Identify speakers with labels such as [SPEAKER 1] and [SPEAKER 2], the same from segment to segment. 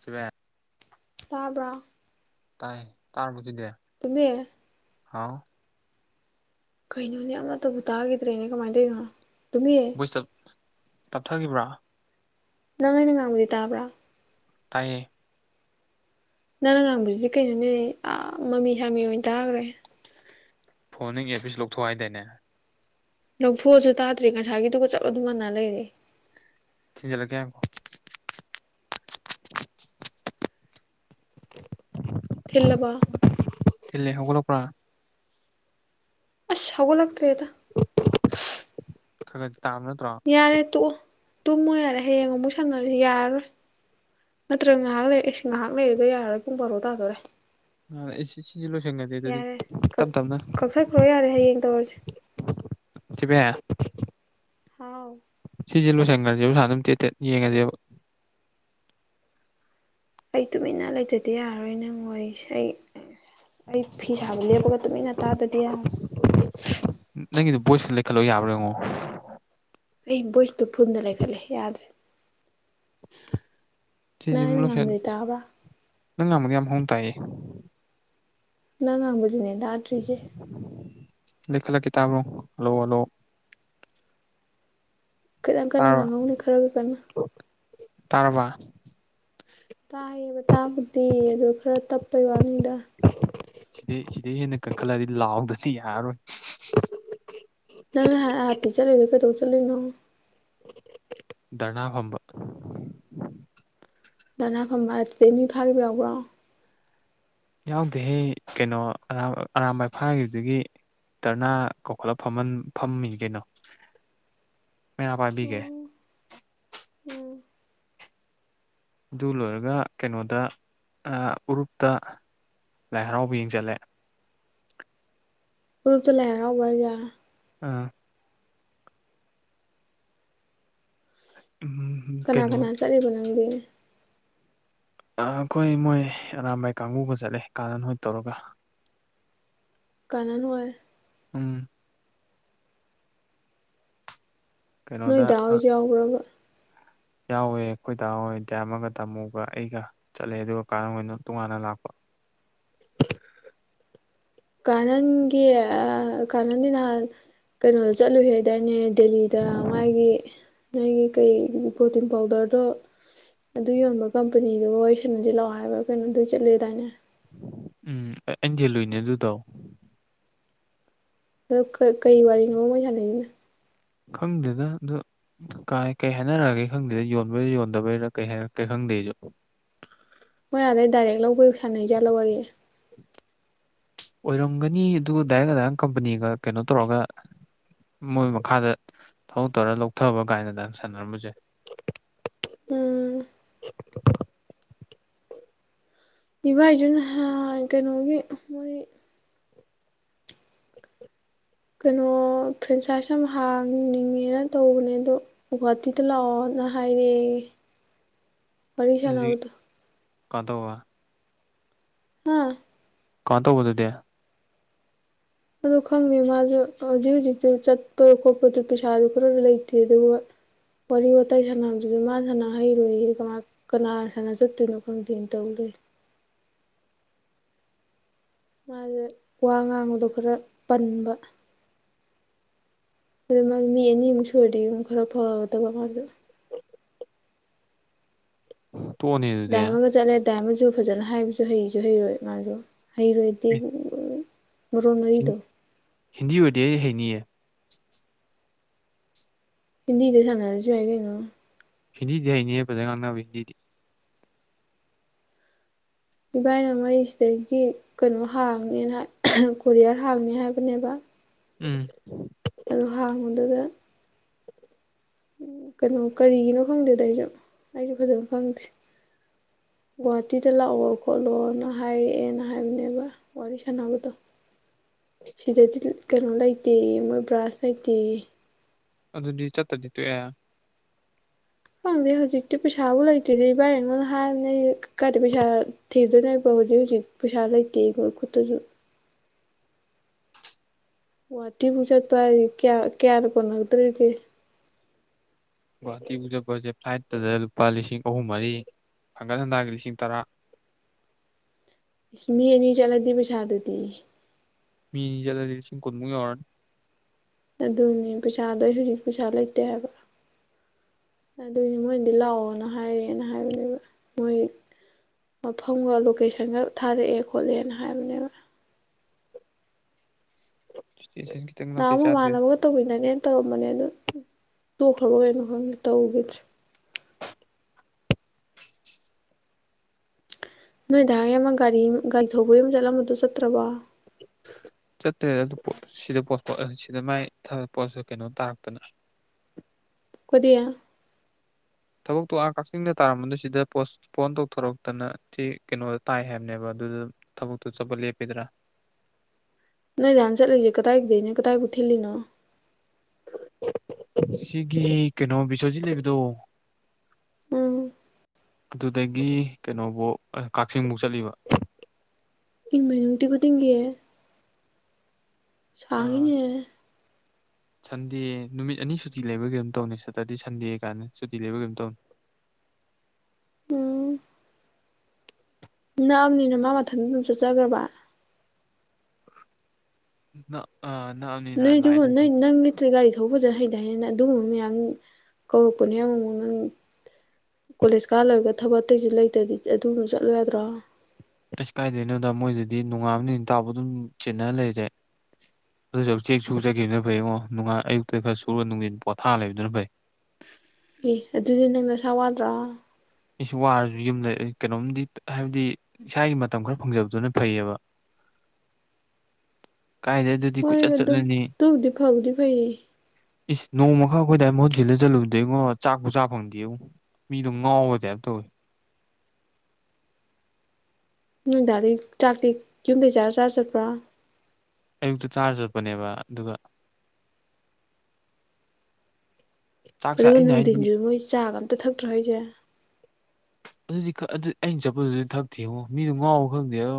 [SPEAKER 1] ꯁꯋꯦ
[SPEAKER 2] ꯇꯥꯕ꯭ꯔꯥ
[SPEAKER 1] ꯇꯥꯏ ꯇꯥꯔꯕꯣ ꯍꯧꯖꯤꯛꯇꯤ
[SPEAKER 2] [unintelligible]
[SPEAKER 1] ꯍꯥꯎ
[SPEAKER 2] ꯀꯩꯅꯣꯅꯦ ꯑꯃꯠꯇꯕꯨ ꯇꯥꯈꯤꯗ꯭ꯔꯦꯅꯦ ꯀꯃꯥꯏ ꯇꯧꯔꯤꯅꯣ ꯇꯣꯝꯕꯤ
[SPEAKER 1] ꯇꯛꯇꯞꯊꯈꯤꯕ꯭ꯔꯥ
[SPEAKER 2] ꯅꯪ ꯑꯩꯅ ꯉꯥꯡꯕꯗꯤ ꯇꯥꯕ꯭ꯔꯥ
[SPEAKER 1] ꯇꯥꯏꯌꯦ
[SPEAKER 2] ꯅꯪꯅ ꯉꯥꯡꯕꯁꯤꯗꯤ ꯀꯩꯅꯣꯅꯦ ꯑꯥꯃꯃꯤ ꯁꯥꯃꯤ ꯑꯣꯏꯅ ꯇꯥꯈ꯭ꯔꯦ
[SPEAKER 1] ꯐꯣꯟ ꯅ ꯑꯦꯐꯤꯁ ꯂꯧꯊꯣꯛꯑꯣ ꯍꯥꯏꯗꯥꯏꯅꯦ
[SPEAKER 2] ꯂꯧꯊꯣꯛꯑꯁꯨ ꯇꯥꯗ꯭ꯔꯦ ꯉꯁꯥꯏꯒꯤꯗꯨꯒ ꯆꯞ ꯃꯥꯟ ꯃꯥꯟꯅ ꯂꯩꯔꯦ
[SPEAKER 1] ꯊꯤꯟꯖꯂꯛꯦ [inaudible]
[SPEAKER 2] ꯏꯂꯥꯕꯣ
[SPEAKER 1] ꯊꯤꯜꯂꯦ ꯍꯧꯒꯠꯔꯛꯄꯔ
[SPEAKER 2] ꯑꯁ ꯍꯧꯒꯠꯂꯛꯇ꯭ꯔꯦꯗ
[SPEAKER 1] ꯈꯔꯗꯤ ꯇꯥꯕ ꯅꯠꯇ꯭ꯔꯣ
[SPEAKER 2] ꯌꯥꯔꯦ ꯇꯣꯛꯑꯣ ꯇꯨꯝꯃꯣ ꯌꯥꯔꯦ ꯍꯌꯦꯡ ꯑꯃꯨꯛ ꯁꯥꯅꯌꯥꯔꯔꯣꯏ ꯅꯠꯇ꯭ꯔꯒ ꯉꯥꯏꯍꯥꯛ ꯂꯩ ꯏꯁ ꯉꯥꯏꯍꯥꯛ ꯂꯩꯔꯒꯌꯔꯥꯔꯣꯏ ꯄꯨꯡ ꯕꯥꯔꯣ ꯇꯥꯗꯣꯔꯦ
[SPEAKER 1] ꯑ ꯑꯁꯤꯁꯤ ꯂꯣꯏꯁꯟꯒꯁꯦ ꯑꯗꯨꯗꯤ
[SPEAKER 2] ꯌꯥꯔꯦ ꯀꯛ
[SPEAKER 1] ꯇꯞ ꯇꯞꯅ
[SPEAKER 2] ꯀꯛꯊꯠꯈ꯭ꯔꯣ ꯌꯥꯔꯦ ꯍꯌꯦꯡ ꯇꯧꯔꯁꯤ
[SPEAKER 1] ꯊꯣꯏꯕꯤꯌꯦ
[SPEAKER 2] ꯍꯥꯎ
[SPEAKER 1] ꯁꯤꯁꯦ ꯂꯣꯏꯁꯟꯈ꯭ꯔꯁꯦ ꯎꯁꯥ ꯑꯗꯨꯝ ꯇꯦꯠ ꯇꯦꯠ ꯌꯦꯡꯉꯁꯦꯕ
[SPEAKER 2] ꯑꯩ ꯇꯨꯃꯤꯟꯅ ꯂꯩꯇꯥꯗꯤ ꯌꯥꯔꯣꯏ ꯅꯪꯋꯥꯔꯤꯁꯦ ꯑꯩ ꯑꯩ ꯐꯤ ꯁꯥꯕ ꯂꯦꯞꯄꯒ ꯇꯨꯃꯤꯟꯅ ꯇꯥꯗꯗꯤ ꯌꯥꯔꯣꯏ
[SPEAKER 1] ꯅꯪꯒꯤꯗ ꯚꯣꯏꯁꯇ ꯂꯩꯈꯠꯂꯣ ꯌꯥꯕꯔꯥꯌꯦꯡꯉꯣ
[SPEAKER 2] ꯑꯩ ꯚꯣꯏꯁꯇꯨ ꯐꯨꯟꯗ ꯂꯩꯈꯠꯂꯦ ꯌꯥꯗ꯭ꯔꯦ ꯅꯪ ꯑꯩꯅ
[SPEAKER 1] ꯁꯤꯁꯤꯂꯣꯁꯦ
[SPEAKER 2] ꯉꯥꯡꯕꯗꯤ ꯇꯥꯕ꯭ꯔꯥ
[SPEAKER 1] ꯅꯪ ꯉꯝꯃꯗꯤ ꯌꯥꯝ ꯃꯣꯡ ꯇꯥꯏꯌꯦ
[SPEAKER 2] ꯅꯪꯉꯪꯕꯨꯖꯤꯅꯦꯗ
[SPEAKER 1] ꯂꯩꯈꯠꯂꯛꯀꯦ ꯇꯕꯔꯣ ꯍꯂꯣ ꯍꯂꯣ
[SPEAKER 2] ꯀꯟꯅ-ꯀꯟꯅ
[SPEAKER 1] ꯇꯥꯔꯕ
[SPEAKER 2] ꯉꯥꯡꯍꯧꯕ ꯈꯔꯥꯇꯅꯤ
[SPEAKER 1] ꯇꯥꯔꯕ
[SPEAKER 2] ꯇꯥꯏꯌꯦꯕ ꯇꯥꯕꯨꯗꯤ ꯑꯗꯨ ꯈꯔ ꯇꯞꯄꯩ ꯋꯥꯅꯤꯗ
[SPEAKER 1] ꯁꯤꯗꯩ ꯁꯤꯗꯩ ꯍꯦꯟꯅ ꯀꯟꯈꯠꯂꯑꯗꯤ ꯂꯥꯎꯗꯥꯗꯤ ꯌꯥꯔꯔꯣꯏ
[SPEAKER 2] ꯅꯪ ꯉꯍꯥ ꯑ ꯆꯠꯂꯤꯗꯣ ꯀꯩꯗꯧ ꯆꯠꯂꯨꯏꯅꯣ
[SPEAKER 1] ꯙꯔꯅꯥ ꯐꯝꯕ
[SPEAKER 2] ꯙꯔꯅꯥ ꯐꯝꯕ ꯑꯗꯨꯗꯒꯤ ꯃꯤ ꯐꯥꯈꯤꯕ ꯌꯥꯎꯕ꯭ꯔꯣ
[SPEAKER 1] ꯌꯥꯎꯗꯦꯍꯦ ꯀꯩꯅꯣ ꯑꯔꯥꯃꯔꯝꯕꯥꯏ ꯐꯥꯈꯤꯕꯗꯨꯗꯒꯤ ꯙꯔꯅꯥ ꯀꯧꯈꯠꯂ ꯐꯝꯍꯥꯟꯐꯝꯃꯤꯗꯤ ꯀꯩꯅꯣ ꯃꯦꯔ ꯄꯥꯏꯕꯤꯒꯦ ꯑꯗꯨ ꯂꯣꯏꯔꯒ ꯀꯩꯅꯣꯗ ꯎꯔꯨꯞꯇ ꯂꯥꯏꯍꯧ ꯌꯦꯡꯕꯆꯠꯂꯦ
[SPEAKER 2] [unintelligible]
[SPEAKER 1] ꯑꯥ ꯎꯝ
[SPEAKER 2] ꯀꯅꯥ
[SPEAKER 1] ꯀꯩꯅꯣ
[SPEAKER 2] ꯀꯅꯥ ꯆꯠꯂꯤꯕ ꯅꯪꯗꯤ
[SPEAKER 1] ꯑꯩꯈꯣꯏ ꯃꯣꯏ ꯑꯔꯥꯥꯟꯕꯥꯏ ꯀꯥꯡꯕꯨꯒ ꯆꯠꯂꯦ ꯀꯔꯟ ꯍꯣꯏ ꯇꯧꯔꯒ
[SPEAKER 2] ꯀꯅꯥꯟ ꯍꯣꯏ
[SPEAKER 1] ꯎꯝ
[SPEAKER 2] ꯅꯣꯏ
[SPEAKER 1] ꯀꯩꯅꯣꯗ
[SPEAKER 2] ꯗꯥ ꯍꯣꯏꯁꯨ ꯌꯧꯕ꯭ꯔꯕ
[SPEAKER 1] ꯌꯥꯎꯋꯦ ꯑꯩꯈꯣꯏ ꯗꯍꯣꯏ ꯇꯌꯥꯝ ꯑꯃꯒ ꯇꯥꯝꯃꯨꯒ ꯑꯩꯒ ꯆꯠꯂꯦ ꯑꯗꯨꯒ ꯀꯥꯟꯅꯅ ꯇꯣꯉꯥꯟꯅ ꯂꯥꯛꯄ
[SPEAKER 2] ꯀꯅꯟꯒꯤ ꯑ ꯀꯅꯟꯒꯤ ꯅꯍꯥꯟ ꯀꯩꯅꯣꯗ ꯆꯠꯂꯨꯏ ꯍꯥꯏꯗꯥꯏꯅꯦ ꯗꯦꯜꯂꯤꯗ ꯃꯥꯒꯤ ꯅꯪꯒꯤ ꯀꯩ ꯄ꯭ꯔꯣꯇꯤꯟ ꯄꯥꯎꯗꯔꯗꯣ ꯑꯗꯨ ꯌꯣꯟꯕ ꯀꯝꯄꯅꯤꯗꯨ ꯋꯥꯔꯤꯁꯅꯁꯦ ꯂꯥꯛꯑꯣ ꯍꯥꯏꯕ ꯑꯗꯨꯅꯨꯃꯤꯠꯇꯤ ꯆꯠꯂꯦꯍꯥꯏꯗꯥꯏꯅꯦ
[SPEAKER 1] ꯎꯝ ꯑꯩꯅ ꯍꯦꯜꯂꯨꯏꯅꯦ ꯑꯗꯨꯗꯣ
[SPEAKER 2] ꯑ ꯀꯩ ꯋꯥꯔꯤꯅ ꯃꯣꯏꯖꯅꯅꯤꯅ
[SPEAKER 1] ꯈꯪꯗꯦꯅ ꯑꯣ ꯀꯥꯏ ꯀꯩ ꯍꯥꯏꯅꯔꯛꯒꯦ ꯈꯪꯗꯦꯗ ꯌꯣꯟꯕꯩꯔꯥ ꯌꯣꯟꯗꯕꯩꯔꯥ ꯀꯩ ꯍꯥꯏꯅꯔꯦ ꯈꯪꯗꯦꯁꯨ
[SPEAKER 2] ꯃꯣꯏ ꯑꯗꯩ ꯗꯥꯏꯔꯦꯛ ꯂꯧꯕꯤ ꯁꯥꯟꯅꯩꯖꯠ ꯂꯧꯔꯒꯦ
[SPEAKER 1] ꯑꯣꯏꯔꯝꯒꯅꯤ ꯑꯗꯨꯒ ꯗꯥꯏꯔꯦꯛ ꯑꯗꯨꯗꯥꯏꯔ ꯀꯝꯄꯅꯤꯒ ꯀꯩꯅꯣ ꯇꯧꯔꯒ ꯃꯣꯏ ꯃꯈꯥꯗ ꯊꯕ ꯇꯧꯔ ꯂꯧꯊꯕ ꯀꯥꯏꯅꯗꯪ ꯁꯥꯟꯅꯔꯝꯝꯕꯁꯦ [inaudible]
[SPEAKER 2] ꯎꯝ ꯏꯚꯏꯁꯤꯅ ꯀꯩꯅꯣꯒꯤ ꯃꯣꯏ
[SPEAKER 1] [inaudible]
[SPEAKER 2] ꯀꯩꯅꯣ ꯐ꯭ꯔꯦꯟꯁꯥꯏꯖ ꯑꯃ ꯍꯥꯡꯅꯤꯡꯉꯦꯅ ꯇꯧꯕꯅꯦ ꯑꯗꯣ ꯒꯨꯍꯥꯇꯤꯗ ꯂꯥꯛꯑꯣꯅ ꯍꯥꯏꯔꯦ
[SPEAKER 1] ꯀꯥꯗ
[SPEAKER 2] ꯎꯝ
[SPEAKER 1] ꯀꯥꯏ ꯇꯧꯕꯗꯨꯗꯤ
[SPEAKER 2] ꯑꯗꯨ ꯈꯪꯗꯦ ꯃꯥꯁꯨ ꯍꯧꯖꯤꯛ ꯍꯧꯖꯤꯛꯇꯤ ꯆꯠꯄ ꯈꯣꯠꯄꯗꯨ ꯄꯩꯁꯥꯗꯨ ꯈꯔꯁꯨ ꯂꯩꯇꯦ ꯑꯗꯨꯒ ꯋꯥꯔꯤ ꯋꯥꯇꯥꯏ ꯁꯥꯟꯅꯕ ꯍꯧꯁꯤ ꯃꯥ ꯁꯥꯟꯅ ꯍꯩꯔꯣꯏ ꯍ ꯀ ꯀꯅꯥ ꯁꯥꯟꯅ ꯆꯠꯇꯣꯏꯅꯣ ꯈꯪꯗꯦꯅ ꯇꯧꯗꯦ ꯃꯥꯁꯦ ꯋꯥ ꯉꯥꯡꯕꯗꯣ ꯈꯔ ꯄꯟꯕ ꯑꯗꯨꯗ ꯃꯥꯒꯤ ꯃꯤ ꯑꯅꯤꯃꯨꯛ ꯁꯨꯔꯔꯗꯤ ꯑꯃꯨꯛ ꯈꯔ ꯐꯒꯗꯕ ꯃꯥꯗꯣ
[SPEAKER 1] ꯎ [unintelligible] ꯑꯗꯨꯗꯤ
[SPEAKER 2] ꯗꯥꯏ
[SPEAKER 1] ꯑꯦ
[SPEAKER 2] ꯑꯃꯒ ꯆꯠꯂꯦ ꯗꯥꯏꯃꯨ ꯐꯖꯅ ꯍꯥꯏꯕꯁꯨ ꯍꯩꯁꯨ ꯍꯩꯔꯣꯏ ꯃꯥꯁꯨ ꯍꯩꯔꯣꯏꯗꯤ ꯃꯔꯣꯔꯣ
[SPEAKER 1] ꯍꯤꯟ
[SPEAKER 2] ꯏꯗ
[SPEAKER 1] ꯍꯤꯟꯗꯤ ꯑꯣꯏꯗꯤ ꯑꯩ ꯍꯩꯅꯤꯡꯌꯦ
[SPEAKER 2] ꯍꯤꯟꯗꯤꯗ ꯁꯥꯟꯅꯔꯁꯨ ꯌꯥꯏ ꯀꯩꯅꯣ
[SPEAKER 1] ꯍꯤꯟꯗꯤ ꯑꯩꯅꯤꯍ ꯐꯖꯅ ꯉꯥꯡꯅꯕ ꯍꯤꯟꯗꯤ
[SPEAKER 2] ꯏꯕꯥꯏꯅ ꯃꯩꯁꯤꯗꯒꯤ ꯀꯩꯅꯣ ꯍꯥꯡꯅꯦꯅ ꯀꯣꯔꯤꯌꯔ ꯍꯥꯡꯅꯤ ꯍꯥꯏꯕꯅꯦꯕ
[SPEAKER 1] ꯎꯝ
[SPEAKER 2] ꯑ ꯍꯥꯡꯕꯗꯨꯗ ꯎ ꯀꯩꯅꯣ ꯀꯔꯤꯒꯤꯅꯣ ꯈꯪꯗꯦꯗ ꯑꯩꯁꯨ ꯑꯩꯁꯨ ꯐꯖꯅ ꯐꯪꯗꯦ ꯒꯨꯍꯥꯇꯤꯗ ꯂꯥꯛꯑꯣꯣ ꯈꯣꯠꯂꯣꯅ ꯍꯥꯏꯔꯛꯑꯦꯅ ꯍꯥꯏꯕꯅꯦꯕ ꯋꯥꯔꯤꯁꯅꯒꯗꯣ ꯁꯤꯗꯗꯤ ꯀꯩꯅꯣ ꯂꯩꯇꯦ ꯃꯣꯏ ꯕ꯭ꯔꯥꯁ ꯂꯩꯇꯦ
[SPEAKER 1] ꯑꯗꯨꯗꯤ ꯆꯠꯇꯗꯤ ꯇꯣꯛꯑꯦ
[SPEAKER 2] ꯐꯪꯗꯦ ꯍꯧꯖꯤꯛꯇꯤ ꯄꯩꯁꯥꯕꯨ ꯂꯩꯇ꯭ꯗꯤ ꯏꯕꯥꯏꯔꯉꯣꯟꯅ ꯍꯥꯏꯕꯅꯦ ꯑꯩ ꯀꯗꯤ ꯄꯩꯁꯥ ꯊꯤꯗꯣꯏꯅꯦꯕ ꯍꯧꯖꯤꯛ ꯍꯧꯖꯤꯛ ꯄꯩꯁꯥ ꯂꯩꯇꯦ ꯑꯩꯣꯏ ꯈꯨꯠꯇꯨꯁꯨ ꯒꯍꯥꯇꯤꯕꯨꯨ ꯆꯠꯄ ꯍꯥꯏꯗꯤ ꯀꯌꯥ ꯀꯌꯥꯅ ꯀꯣꯟꯅꯛꯇ꯭ꯔꯤꯒꯦ
[SPEAKER 1] ꯒꯨꯍꯥꯇꯤ ꯎꯖꯠꯄꯁꯦ ꯐ꯭ꯂꯥꯏꯠꯇꯗ ꯂꯨꯄꯥ ꯂꯤꯁꯤꯡ ꯑꯍꯨꯝ ꯃꯔꯤ ꯊꯥꯡꯒꯠ ꯍꯟꯗꯥꯒꯤ ꯂꯤꯁꯤꯡ ꯇꯔꯥ
[SPEAKER 2] ꯏꯁ ꯃꯤ ꯑꯅꯤ ꯆꯠꯂꯗꯤ ꯄꯩꯁꯥꯗꯨꯗꯤ
[SPEAKER 1] ꯃꯤꯅꯤ ꯆꯠꯂꯗꯤ ꯂꯤꯁꯤꯡ ꯀꯨꯟꯃꯨꯛ ꯌꯧꯔꯅꯤ
[SPEAKER 2] ꯑꯗꯨꯅꯦ ꯄꯩꯁꯥꯗꯣ ꯑꯩ ꯍꯧꯖꯤꯛ ꯄꯩꯁꯥ ꯂꯩꯇꯦ ꯍꯥꯏꯕ ꯑꯗꯨꯏꯅꯤ ꯃꯣꯏꯅꯗꯤ ꯂꯥꯛꯑꯣꯅ ꯍꯥꯏꯔꯦꯅ ꯍꯥꯏꯕꯅꯦꯕ ꯃꯣꯏ ꯃꯐꯝꯒ ꯂꯣꯀꯦꯁꯟꯒ ꯊꯥꯔꯛꯑꯦ ꯈꯣꯠꯂꯦꯅ ꯍꯥꯏꯕꯅꯦꯕ
[SPEAKER 1] [unintelligible]
[SPEAKER 2] ꯅꯍꯥꯟ
[SPEAKER 1] ꯆꯥꯗ꯭ꯔꯦ
[SPEAKER 2] ꯃꯃꯥꯟꯅꯕꯒ ꯇꯧꯕꯤꯟꯅꯅꯦꯅ ꯇꯧꯔꯝꯕꯅꯦ ꯑꯗꯨ ꯇꯣꯛꯈ꯭ꯔꯕ ꯑꯣꯏꯅꯣ ꯈꯪꯉ ꯇꯧꯈꯤꯗ꯭ꯔꯦ ꯅꯣꯏꯗꯍ ꯑꯃ ꯒꯥꯔꯤ ꯒꯥꯔꯤ ꯊꯧꯕ ꯌ ꯑꯃ ꯆꯠꯂꯝꯕꯗꯨꯣ ꯆꯠꯇ꯭ꯔꯕꯣ
[SPEAKER 1] [inaudible] ꯆꯠꯇ꯭ꯔꯦꯗ ꯑꯗꯨ ꯁꯤꯗ ꯄꯣꯠ ꯁꯤꯗ ꯃꯥꯏ ꯊꯕ ꯄꯣꯠꯁ ꯀꯩꯅꯣ ꯇꯥꯔꯛꯇꯅ
[SPEAKER 2] ꯀꯗꯤꯌꯥ
[SPEAKER 1] ꯊꯕꯛꯇꯣ ꯑ ꯀꯛꯆꯤꯡꯗ ꯇꯥꯔꯝꯕꯗꯨ ꯁꯤꯗ ꯄꯣꯁꯄꯣꯟ ꯇꯧꯊꯣꯔꯛꯇꯅ ꯁꯤ ꯀꯩꯅꯣꯗ ꯇꯥꯏ ꯍꯥꯏꯕꯅꯦꯕ ꯑꯗꯨꯗ ꯊꯕꯛꯇꯨ ꯆꯠꯄ ꯂꯦꯞꯄꯤꯗ꯭ꯔꯥ
[SPEAKER 2] ꯅꯣꯏ ꯅꯖꯥꯟ ꯆꯠꯂꯤꯁꯦ ꯀꯗꯥꯏꯒꯤꯗꯗꯒꯤꯩꯅꯣ ꯀꯗꯥꯏꯕꯨ ꯊꯤꯜꯂꯤꯅꯣ
[SPEAKER 1] ꯁꯤꯒꯤ ꯀꯩꯅꯣ ꯕꯤꯁꯣꯖꯤꯠ ꯂꯩꯕꯗꯣ
[SPEAKER 2] ꯎꯝ
[SPEAKER 1] ꯑꯗꯨꯗꯒꯤ ꯀꯩꯅꯣꯐꯧ ꯀꯛꯆꯤꯡꯐꯧ ꯆꯠꯂꯤꯕ
[SPEAKER 2] ꯏꯟꯃ ꯅꯨꯡꯇꯤ ꯈꯨꯗꯤꯡꯒꯤ ꯁꯥꯈꯤꯅꯦ
[SPEAKER 1] ꯁꯟꯗꯦ ꯅꯨꯃꯤꯠ ꯑꯅꯤ ꯁꯨꯇꯤ ꯂꯩꯕꯒꯤ ꯑꯗꯨꯝ ꯇꯧꯅꯤ ꯁꯦꯇꯔꯗꯦ ꯁꯟꯗꯦ ꯀꯥꯏꯅ ꯁꯨꯇꯤ ꯂꯩꯕꯒꯤ ꯑꯗꯨꯝ ꯇꯧꯅꯤ
[SPEAKER 2] ꯎꯝ ꯅꯛꯑꯕꯅꯤꯅ ꯃꯥ ꯃꯊꯟꯗ ꯑꯗꯨꯝ ꯆꯠꯆꯈ꯭ꯔꯕ
[SPEAKER 1] ꯅꯛꯑꯅꯤꯅ
[SPEAKER 2] ꯅꯣꯏ ꯑꯗꯨꯒ
[SPEAKER 1] ꯂꯥꯏꯗꯗꯤ
[SPEAKER 2] ꯅꯣꯏ ꯅꯪꯗꯤ ꯒꯥꯔꯤ ꯊ ꯐꯖꯅ ꯍꯩꯇ ꯍꯥꯏꯅ ꯑꯗꯨꯒꯨꯝꯕ ꯃꯌꯥꯝ ꯀꯧꯔꯛꯄꯅꯦ ꯑꯃꯃꯛ ꯅꯪ ꯀꯣꯂꯦꯖ ꯀꯥꯜꯂꯣꯏꯔꯒ ꯊꯕꯛ ꯑꯇꯩꯁꯨ ꯂꯩꯇ꯭ꯔꯗꯤ ꯑꯗꯨꯕꯁꯨ ꯆꯠꯂꯣꯏ ꯌꯥꯗ꯭ꯔꯣ
[SPEAKER 1] ꯑꯁ ꯀꯥꯏꯗꯣꯏꯅꯣꯗ ꯃꯣꯏꯗꯗꯤ ꯅꯣꯡꯉꯥꯕꯅꯤ ꯇꯥꯎꯕ ꯑꯗꯨꯝ ꯆꯦꯟꯅꯔ ꯂꯩꯔꯦ ꯑꯗꯨꯁꯨ ꯎꯆꯦꯛ ꯁꯨ ꯆꯈꯤꯕꯗꯨꯅ ꯐꯩ ꯌꯦꯉ ꯅꯨꯡꯉꯥꯏ ꯑꯌꯨꯛꯇꯒꯤ ꯐ ꯁꯨꯔ ꯅꯨꯡꯊꯤꯟ ꯄꯣꯊꯥ ꯂꯩꯕꯗꯨꯅ ꯐꯩ
[SPEAKER 2] ꯑꯦ ꯑꯗꯨꯗꯤ ꯅꯪꯅ ꯁꯥ ꯋꯥꯗ꯭ꯔꯣ
[SPEAKER 1] ꯑꯩꯁꯨ ꯋꯥꯔꯁꯨ ꯌꯨꯝꯗ ꯀꯩꯅꯣꯝꯗꯤ ꯍꯥꯏꯕꯗꯤ ꯏꯁꯥꯒꯤ ꯃꯇꯝ ꯈꯔ ꯐꯪꯖꯕꯗꯨꯅ ꯐꯩꯑꯕ ꯀꯥꯏꯗ ꯑꯗꯨ
[SPEAKER 2] ꯍꯣꯏ ꯑꯗꯨ ꯇꯕꯨꯗꯤ ꯐꯕꯗꯤ ꯐꯩꯔ
[SPEAKER 1] ꯏꯁ ꯅꯣꯡꯃ ꯈꯛ ꯑꯩꯈꯣꯏꯗꯏ ꯃꯍꯨꯠ ꯁꯤꯜꯂ ꯆꯠꯂꯨꯕꯗ ꯑꯩꯉꯣ ꯆꯥꯛꯄ ꯆꯥ ꯐꯪꯗꯦ ꯃꯤꯗꯣ ꯉꯥꯎꯕ ꯗꯦꯕ ꯇꯣꯏ
[SPEAKER 2] ꯅꯣꯏꯗꯥꯩ ꯆꯥꯛꯇꯤ ꯌꯨꯝꯗꯩ ꯆꯥꯔ ꯆꯥꯔ ꯆꯠꯄ꯭ꯔꯥ
[SPEAKER 1] ꯑꯌꯨꯛꯇ ꯆꯥꯔ ꯆꯠꯄꯅꯦꯕ ꯑꯗꯨꯒ ꯆꯥꯛ ꯆꯥ
[SPEAKER 2] ꯑꯗꯨꯒ
[SPEAKER 1] ꯑꯩꯅ ꯍꯥꯏꯗꯤ
[SPEAKER 2] ꯅꯨꯡꯊꯤꯟꯁꯨ ꯃꯣꯏ ꯆꯥꯒ ꯑꯝꯇ ꯊꯛꯇ꯭ꯔꯣ ꯍꯥꯏꯁꯦ
[SPEAKER 1] ꯑꯗꯨꯗꯤ ꯑꯗꯨꯗꯤ ꯑꯩꯅ ꯆꯠꯄꯗꯨꯗꯤ ꯊꯛꯇꯦ ꯌꯦꯡꯉꯣ ꯃꯤꯗꯨ ꯉꯥꯎꯕ ꯈꯪꯗꯦ ꯑꯗꯣ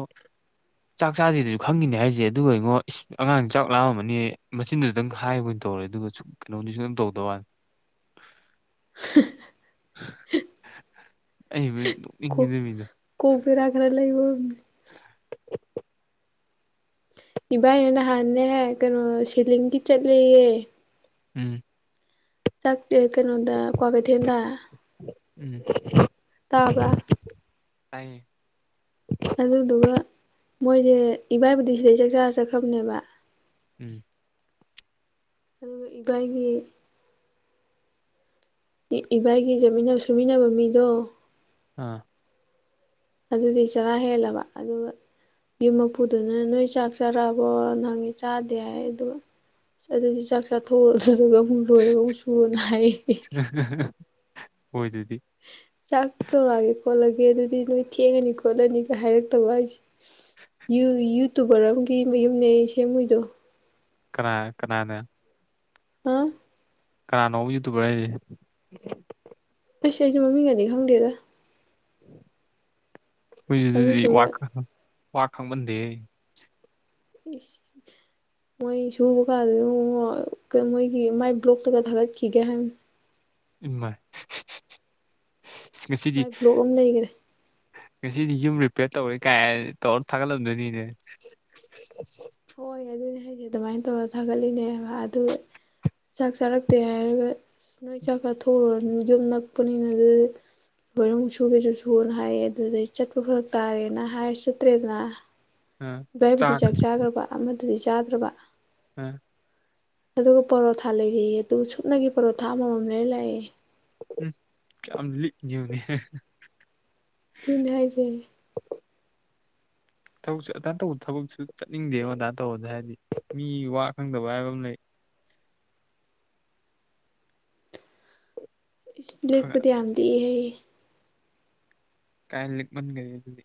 [SPEAKER 1] ꯆꯥꯛ ꯆꯥꯗꯦꯗꯁꯨ ꯈꯪꯈꯤꯅꯤ ꯍꯥꯏꯁꯦ ꯑꯗꯨꯒ ꯑꯩꯉꯣ ꯑꯉꯥꯡ ꯆꯥꯛ ꯂꯥꯛꯑꯝꯕꯅꯦ ꯃꯆꯤꯟꯗꯨꯗꯪ ꯍꯥꯏꯕꯅꯤ ꯇꯧꯔꯦ ꯑꯗꯨꯒ ꯀꯩꯅꯣꯅꯤꯁꯨ ꯑꯗꯨꯝ ꯇꯧꯗꯕ ꯋꯥꯅꯤ ꯑꯩꯕꯨ ꯅꯣꯛꯅꯤꯡꯉꯤꯗ ꯃꯤꯗꯣ
[SPEAKER 2] ꯀꯣꯕꯤ ꯔꯒ꯭ꯔ ꯂꯩ ꯏꯕ
[SPEAKER 1] [inaudible]
[SPEAKER 2] ꯏꯕꯥꯏꯅꯦ ꯅꯍꯥꯟꯅꯦꯦꯛ ꯀꯩꯅꯣ ꯁꯤꯦꯂꯤꯡꯒꯤ ꯆꯠꯂꯌꯦꯦ
[SPEAKER 1] ꯎꯝ
[SPEAKER 2] ꯆꯥꯛꯦ ꯀꯩꯅꯣꯗ ꯀ꯭ꯋꯥꯀꯩꯊꯦꯜꯗ
[SPEAKER 1] ꯎꯝ
[SPEAKER 2] ꯇꯥꯕ꯭ꯔ
[SPEAKER 1] ꯇꯥꯏ
[SPEAKER 2] ꯑꯗꯨꯗꯨꯒ ꯃꯣꯏꯁꯦ ꯏꯕꯥꯏꯄꯨꯗꯤ ꯁꯤꯗꯩ ꯆꯥꯛ ꯆꯥꯔ ꯆꯠꯈ꯭ꯔꯕꯅꯦꯕ
[SPEAKER 1] ꯎꯝ
[SPEAKER 2] ꯑꯗꯨꯒ ꯏꯕꯥꯏꯒꯤ ꯏꯕꯥꯏꯒꯤ ꯆꯠꯃꯤꯟꯅ ꯁꯨꯃꯤꯟꯅꯕ ꯃꯤꯗꯣ
[SPEAKER 1] ꯑꯥ
[SPEAKER 2] ꯑꯗꯨꯗꯤ ꯆꯔꯥ ꯍꯦꯜꯂꯕ ꯑꯗꯨꯒ ꯌꯨꯝ ꯃꯄꯨꯗꯨꯅ ꯅꯣꯏ ꯆꯥꯛ ꯆꯥꯔꯛꯑꯕꯣ ꯅꯪꯉ ꯆꯥꯗꯦ ꯍꯥꯏ ꯑꯗꯨꯒ ꯑꯗꯨꯗꯤ ꯆꯥꯛ ꯆꯥꯊꯣꯛꯑꯗꯨꯒ ꯑꯃꯨꯛ ꯂꯣꯏꯔꯒ ꯑꯃꯨꯛ ꯁꯨꯑꯣꯅ ꯍꯥꯏꯌꯦ
[SPEAKER 1] ꯍꯣꯏ ꯑꯗꯨꯗꯤ
[SPEAKER 2] ꯆꯥꯛ ꯇꯧꯔꯛꯑꯒꯦ ꯈꯣꯠꯂꯒꯦ ꯑꯗꯨꯗꯤ ꯅꯣꯏ ꯊꯦꯡꯉꯅꯤ ꯈꯣꯠꯂꯅꯤꯒ ꯍꯥꯏꯔꯛꯇꯕ ꯍꯥꯏꯁꯦ ꯌ ꯌꯨꯇꯨꯕꯔ ꯑꯃꯒꯤ ꯃꯌꯨꯝꯅꯦ ꯁꯦꯝꯃꯨꯣꯏꯗꯣ
[SPEAKER 1] ꯀꯅꯥ ꯀꯅꯥꯅꯦ
[SPEAKER 2] ꯍꯥꯥ
[SPEAKER 1] ꯀꯅꯥꯅꯣ ꯌꯨꯇꯨꯕꯔ ꯍꯥꯏꯗꯤ
[SPEAKER 2] ꯑꯁ ꯑꯩꯁꯁꯨ ꯃꯃꯤꯡꯒꯗꯤ ꯈꯪꯗꯦꯗ
[SPEAKER 1] ꯑꯩꯈꯣꯏꯗꯤ
[SPEAKER 2] ꯑꯗꯨꯗꯨꯒ
[SPEAKER 1] ꯋꯥ ꯈꯪꯃꯟꯗꯦ
[SPEAKER 2] ꯏꯁ ꯃꯣꯏ ꯁꯨꯕ ꯀꯥꯟꯗ ꯃꯣꯏꯒꯤ ꯃꯥꯏ ꯕ꯭ꯂꯣꯛꯇꯒ ꯊꯥꯒꯠꯈꯤꯒꯦ ꯍꯥꯏꯕꯅꯤ
[SPEAKER 1] ꯏꯃꯥꯏ ꯉꯁꯤꯗꯤ
[SPEAKER 2] ꯃꯥꯏ ꯕ꯭ꯂꯣꯛ ꯑꯃ ꯂꯩꯈꯔꯦ
[SPEAKER 1] ꯉꯁꯤꯗꯤ ꯌꯨꯝ ꯔꯤꯄꯤꯦꯌꯔ ꯇꯧꯔꯦ ꯀꯥꯏ ꯇꯧꯔ ꯊꯥꯒꯠꯂꯝꯗꯣꯏꯅꯤꯅꯦ
[SPEAKER 2] ꯍꯣꯏ ꯑꯗꯨꯅꯦ ꯍꯥꯏꯗꯤꯦ ꯑꯗꯨꯃꯥꯏꯅ ꯇꯧꯔꯒ ꯊꯥꯒꯠꯂꯤꯅꯦꯕ ꯑꯗꯨ ꯆꯥꯛ ꯆꯥꯔꯛꯇꯦ ꯍꯥꯏꯔꯒ ꯑꯁ ꯅꯣꯏ ꯆꯥꯛ ꯆꯥꯊꯣꯛꯎꯨꯔꯅꯤ ꯌꯨꯝ ꯅꯛꯄꯅꯤꯅ ꯑꯗꯨ ꯕꯣꯏꯔꯃ ꯁꯨꯒꯦꯁꯨ ꯁꯨꯅ ꯍꯥꯏꯌꯦ ꯑꯗꯨꯗꯩ ꯆꯠꯄ ꯐꯔꯛ ꯇꯥꯔꯦꯅ ꯍꯥꯏꯔ ꯆꯠꯇ꯭ꯔꯦꯗꯅ ꯚꯏꯕꯨꯗꯤ ꯆꯥꯛ ꯆꯥꯗ꯭ꯔꯕ ꯑꯃꯗꯨꯗꯤ ꯆꯥꯗ꯭ꯔꯕ
[SPEAKER 1] ꯎꯝ
[SPEAKER 2] ꯑꯗꯨꯒ ꯄꯣꯔꯣꯊꯥ ꯂꯩꯔꯤ ꯑꯗꯨ ꯁꯨꯞꯅꯒꯤ ꯄꯣꯔꯣꯊꯥ ꯑꯃꯃꯝ ꯂꯣꯏ ꯂꯥꯛꯑꯦ
[SPEAKER 1] ꯎ ꯀ ꯂꯤꯅꯤ
[SPEAKER 2] ꯇꯨꯡ ꯍꯥꯏꯁꯦ
[SPEAKER 1] ꯊꯕꯛꯁꯨ ꯑꯗꯥ ꯇꯧꯕ ꯊꯕꯛꯁꯨ ꯆꯠꯅꯤꯡꯗꯦꯕ ꯑꯗꯥ ꯇꯧꯕꯗ ꯍꯥꯏꯔꯗꯤ ꯃꯤ ꯋꯥ ꯈꯪꯗꯕ ꯍꯥꯏꯕ ꯑꯃ ꯂꯩ
[SPEAKER 2] ꯂꯦꯛꯄꯗꯤ ꯌꯥꯝꯗꯤ ꯏꯍꯩ
[SPEAKER 1] ꯀꯥꯏ ꯂꯤ ꯃꯟꯒꯗꯤ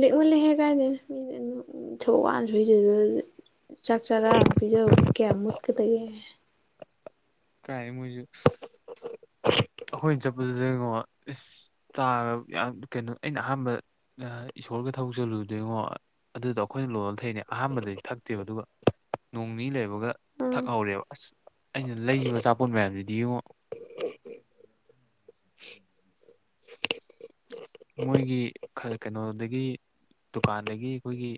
[SPEAKER 2] ꯂꯦꯛꯅ ꯂꯦꯛꯑꯦ ꯀꯥꯏꯗ ꯃꯤꯅ ꯑꯗꯨꯝ ꯊꯕꯛ ꯋꯥꯥꯟ ꯁꯨꯏꯗꯗꯅ ꯆꯥꯛ ꯆꯥꯔꯥ ꯄꯤꯖꯕꯕꯨꯛ ꯀꯌꯥ ꯌꯥꯝ ꯃꯨꯠꯀꯗꯒꯦ
[SPEAKER 1] ꯀꯥꯏ ꯃ ꯑꯩꯈꯣꯏꯅ ꯆꯠꯄꯗꯨꯗ ꯀꯩꯅꯣ ꯆꯥ ꯌꯥꯝ ꯀꯩꯅꯣ ꯑꯩꯅ ꯑꯍꯥꯟꯕ ꯏꯁꯣꯔꯒ ꯊꯕꯛ ꯆꯠꯂꯨꯗꯣꯏꯉꯣ ꯑꯗꯨꯗ ꯑꯩꯈꯣꯏꯅ ꯂꯣꯟꯂ ꯊꯛꯏꯅꯦ ꯑꯍꯥꯟꯕꯗꯗꯤ ꯊꯛꯇꯦꯕ ꯑꯗꯨꯒ ꯅꯣꯡ ꯅꯤ ꯂꯩꯕꯒ
[SPEAKER 2] ꯑꯥ
[SPEAKER 1] ꯊꯛꯍꯧꯔꯦꯕ ꯑꯁ ꯂꯩꯔꯤꯕ ꯑꯆꯥꯄꯣꯠ ꯃꯌꯥꯝꯗꯨꯗꯤ ꯌꯦꯡꯉꯣ [unintelligible] ꯃꯣꯏꯒꯤ ꯀꯩꯅꯣꯗꯒꯤ ꯗꯨꯀꯥꯟꯗꯒꯤ ꯑꯩꯈꯣꯏꯒꯤ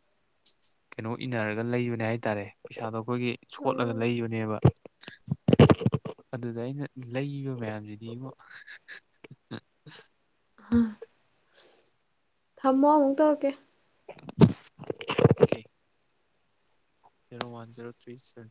[SPEAKER 1] ꯀꯩꯅꯣ ꯏꯟꯅꯔꯒ ꯂꯩꯕꯅꯦ ꯍꯥꯏ ꯇꯔꯦ ꯄꯩꯁꯥꯗꯣ ꯑꯩꯈꯣꯏꯒꯤ ꯁꯣꯠꯂꯒ
[SPEAKER 2] ꯑꯥ
[SPEAKER 1] ꯂꯩꯕꯅꯦꯕ ꯑꯗꯨꯗ ꯑꯩꯅ ꯂꯩꯔꯤꯕ ꯃꯌꯥꯝꯁꯤꯗꯤ ꯎꯝ
[SPEAKER 2] ꯍꯥꯥ ꯊꯝꯃꯣ ꯑꯃꯨꯛ ꯇꯧꯔꯛꯀꯦ
[SPEAKER 1] ꯣ ꯋꯥꯟ ꯖꯔꯣ ꯊ꯭ꯔꯤꯚ